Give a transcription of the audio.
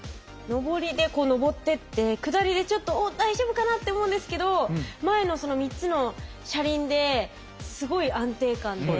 上りで上ってって下りでちょっとおっ大丈夫かなって思うんですけど前のその３つの車輪ですごい安定感で。